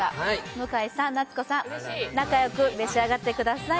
向井さん、夏子さん、仲良く召し上がってください。